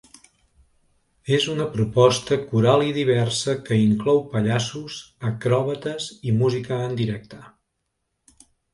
És una proposta coral i diversa que inclou pallassos, acròbates i música en directe.